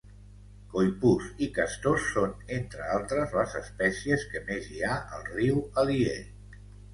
Coipús i castors són, entre altres, les espècies que més hi ha al riu Alier.